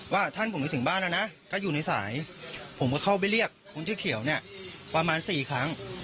ว่าท่านผมไปถึงบ้านแล้วนะก็อยู่ในสายผมก็เข้าไปเรียกคนชื่อเขียวเนี่ยประมาณ๔ครั้ง